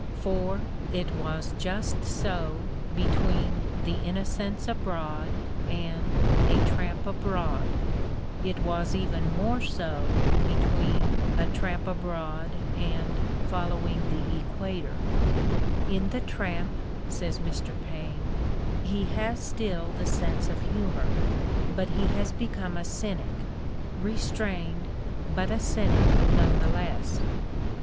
For it was just so between "The Innocents Abroad" and "A Tramp Abroad"; it was even more so between "A Tramp Abroad" and "Fol lowing the Equator": "In the 'Tramp,'" says Mr. Paine, "he has still the sense of humor, but he has become a cynic; restrained, but a cynic none the less."